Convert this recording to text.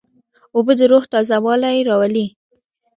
اوبه د روح تازهوالی راولي.